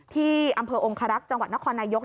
ที่อำเภอองคารักษ์จังหวัดนครนายก